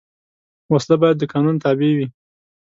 وسله باید د قانون تابع وي